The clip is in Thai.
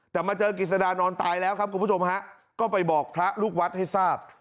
แต่มาเจอกิจสดานอนตายแล้วครับคุณผู้ชมฮะก็ไปบอกพระลูกวัดให้ทราบ